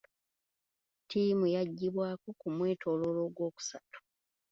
Ttiimu yaggyibwako ku mwetooloolo ogwokusatu.